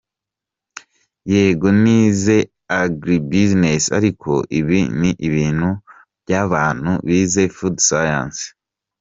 Yego nize Agri Business ariko ibi ni ibintu by’abantu bize food science.